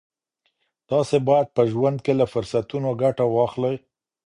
تاسي باید په ژوند کي له فرصتونو ګټه واخلئ.